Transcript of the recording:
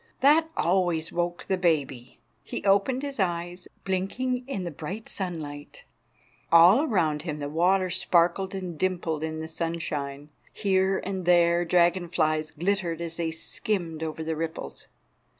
That always woke the baby. He opened his eyes, blinking in the bright sunlight. All around him the water sparkled and dimpled in the sunshine. Here and there dragon flies glittered as they skimmed over the ripples.